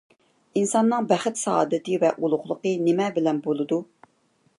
ئىنساننىڭ بەخت-سائادىتى ۋە ئۇلۇغلۇقى نېمە بىلەن بولىدۇ؟